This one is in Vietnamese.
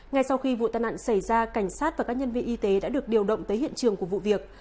ngay sau khi vụ tai nạn xảy ra cảnh sát và các nhân viên y tế đã được điều động tới hiện trường của vụ việc